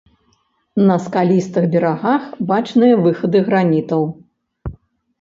На скалістых берагах бачныя выхады гранітаў.